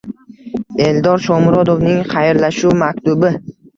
Eldor Shomurodovning xayrlashuv maktubi